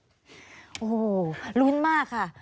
โอ้โหลุ้นมากค่ะ